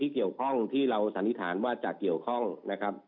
เกี่ยวข้องที่เราสันนิษฐานว่าจะเกี่ยวข้องนะครับ